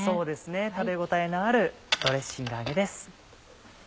食べ応えのあるドレッシング揚げです。